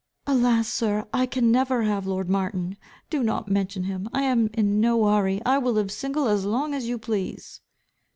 "Alas, sir, I can never have lord Martin. Do not mention him. I am in no hurry. I will live single as long as you please."